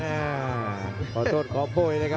อ่าขอโทษขอโป้ยเลยครับ